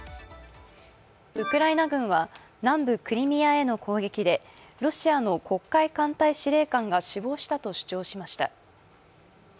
ウクライナ軍は南部クリミアへの攻撃でロシアの黒海艦隊司令官が死亡したと主張しました。